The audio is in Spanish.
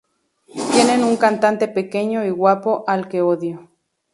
Tienen un cantante pequeño y guapo al que odio.